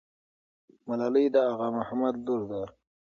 ملالۍ د اغا محمد لور ده.